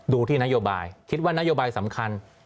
ดูที่นโยบายคิดว่านโยบายสำคัญ